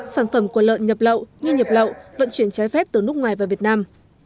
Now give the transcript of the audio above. sản phẩm của lợn nhập lậu như nhập lậu vận chuyển trái phép từ nước ngoài vào việt nam